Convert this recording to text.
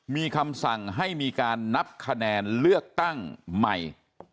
มีคำสั่งให้มีการนับคะแนนเลือกตั้งใหม่